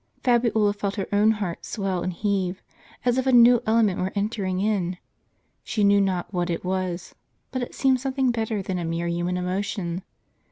Fabiola felt her own heart swell and heave, as if a new element were entering in. She knew not what it was, but it seemed something better than a mere human emotion.